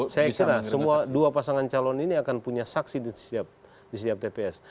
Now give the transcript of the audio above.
saya kira semua dua pasangan calon ini akan punya saksi di setiap tps